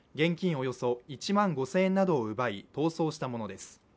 およそ１万５０００円などを奪い逃走したものです。